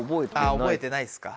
覚えてないっすか。